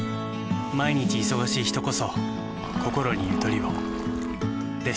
毎日忙しい人こそこころにゆとりをです。